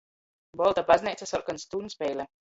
Bolta bazneica, sorkons tūrņs. Peile.